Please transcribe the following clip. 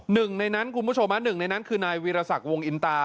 คุณผู้ชมหนึ่งในนั้นคือนายวีรสักวงอินตา